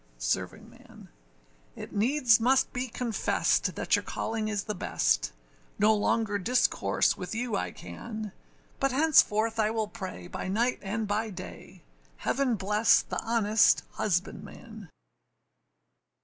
SERVINGMAN. It needs must be confest that your calling is the best, No longer discourse with you I can; But henceforth I will pray, by night and by day, Heaven bless the honest husbandman.